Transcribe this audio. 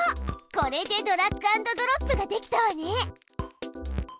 これでドラッグアンドドロップができたわね。